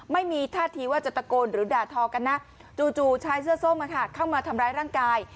ไม่มีท่าทีว่าจะตะโกนหรือด่าทอกันนะจู่ชายเสื้อส้มเข้ามาทำร้ายร่างกาย